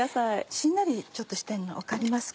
しんなりしてるの分かりますか？